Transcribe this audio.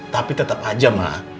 tapi tetap aja mak